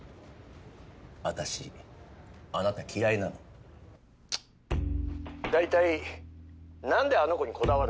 私あなた嫌いなの大体なんであの子にこだわるの？